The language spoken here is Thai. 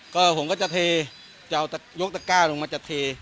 ก็ผมก็จะเทจะเอายกตะก้าลงมาจะเท